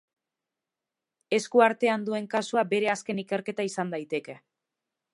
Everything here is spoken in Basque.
Esku artean duen kasua bere azken ikerketa izan daiteke.